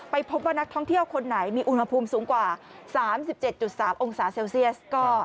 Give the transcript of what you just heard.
พบว่านักท่องเที่ยวคนไหนมีอุณหภูมิสูงกว่า๓๗๓องศาเซลเซียส